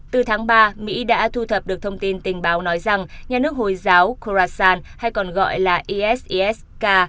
từ tháng ba mỹ đã thu thập được thông tin tình báo nói rằng nhà nước hồi giáo khorasan hay còn gọi là isis k